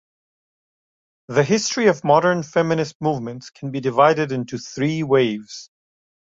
The history of modern feminist movements can be divided into three waves.